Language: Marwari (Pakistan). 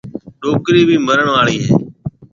ڏُوڪرِي ڀِي مرڻ آݪِي هيَ۔